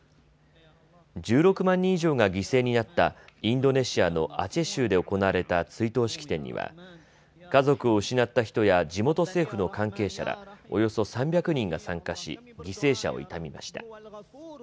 １６万人以上が犠牲になったインドネシアのアチェ州で行われた追悼式典には家族を失った人や地元政府の関係者らおよそ３００人が参加し犠牲者を悼みました。